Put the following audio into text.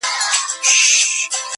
لكه برېښنا.